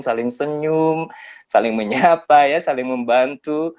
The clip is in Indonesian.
saling senyum saling menyapa ya saling membantu